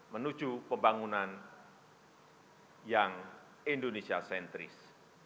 menuju pembangunan yang indonesia sentris